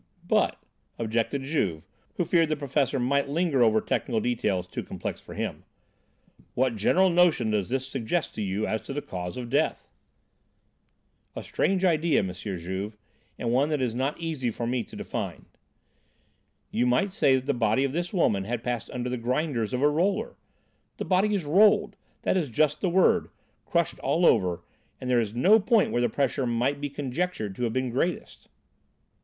"But," objected Juve, who feared the professor might linger over technical details too complex for him, "what general notion does this suggest to you as to the cause of death?" "A strange idea, M. Juve, and one it is not easy for me to define. You might say that the body of this woman had passed under the grinders of a roller! The body is 'rolled,' that is just the word, crushed all over, and there is no point where the pressure might be conjectured to have been greatest."